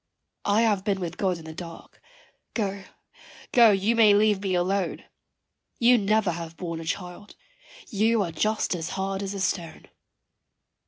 I have been with God in the dark go, go, you may leave me alone You never have borne a child you are just as hard as a stone.